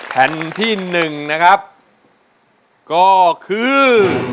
แผ่นที่๑นะครับก็คือ